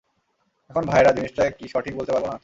এখন ভায়েরা, জিনিসটা কী সঠিক বলতে পারবো না!